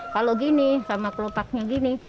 kalau gini sama kelopaknya gini